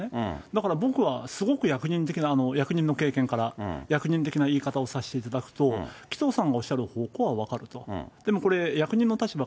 だから僕はすごく役人的な、役人の経験から言わせて、役人の立場からさせていただくと、紀藤さんがおっしゃる方向は分かると。